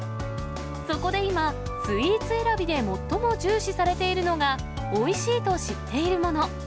そこで今、スイーツ選びで最も重視されているのが、おいしいと知っているもの。